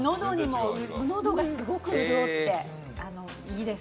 喉がすごく潤って、いいです。